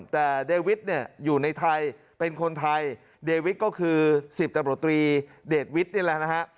แต่เดวิทเนี่ยอยู่ในไทยเป็นคนไทยเดวิทก็คือ๑๐ตำรวจตรีเดชวิทย์นี่แหละนะฮะ